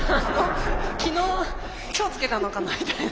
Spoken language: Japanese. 昨日今日付けたのかなみたいな。